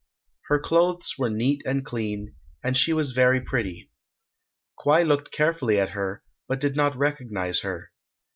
Her clothes were neat and clean, and she was very pretty. Kwai looked carefully at her, but did not recognize her.